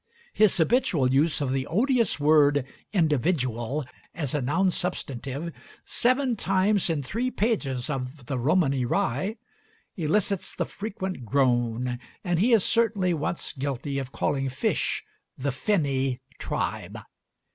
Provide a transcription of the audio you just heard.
His habitual use of the odious word "individual" as a noun substantive (seven times in three pages of 'The Romany Rye') elicits the frequent groan, and he is certainly once guilty of calling fish the "finny tribe."